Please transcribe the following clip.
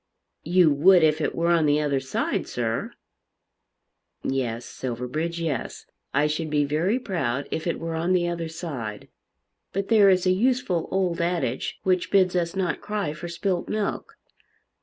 "You would if it were on the other side, sir." "Yes, Silverbridge, yes; I should be very proud if it were on the other side. But there is a useful old adage which bids us not cry for spilt milk.